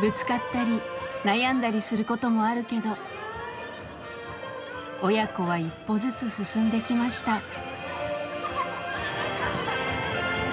ぶつかったり悩んだりすることもあるけど親子は一歩ずつ進んできました。